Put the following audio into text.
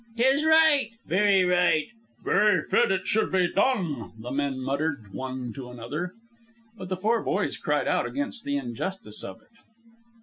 "'Tis right." "Very right." "Very fit it should be done," the men muttered one to another. But the four boys cried out against the injustice of it.